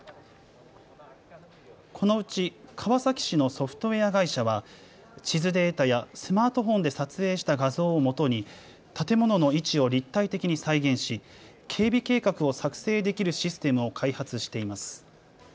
このうち川崎市のソフトウエア会社は地図データやスマートフォンで撮影した画像をもとに建物の位置を立体的に再現し警備計画を作成できるシステムを開発しています。